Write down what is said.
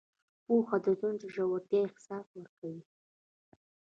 پوهه د ژوند د ژورتیا احساس ورکوي.